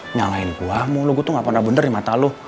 nyalahin gua mu lo tuh gak pernah bener di mata lo